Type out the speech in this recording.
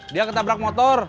dia ketabrak motor